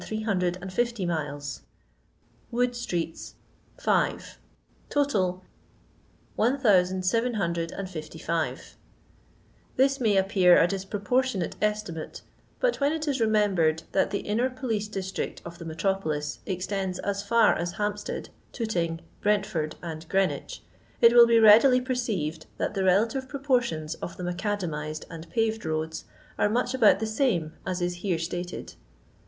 . 1350 Wood ditto 5 Total ... 1755 This may appear a disproportionate estimate, but when it is remembered that the inner police district of the metropolis extends as &r as Hamp stead. Tooting, Brentford, and Greenwich, it will be readily perceived that the relative proportions of the macadamised and paved roads are much about the same as is here stated.